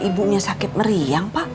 ibunya sakit meriang pak